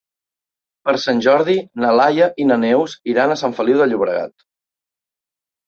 Per Sant Jordi na Laia i na Neus iran a Sant Feliu de Llobregat.